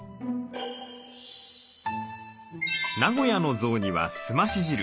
名古屋の雑煮はすまし汁。